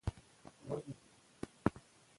اما ویلي چې فایبر مهم دی.